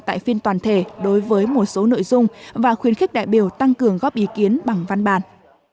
tại phiên toàn thể đối với một số nội dung và khuyến khích đại biểu tăng cường góp ý kiến bằng văn bản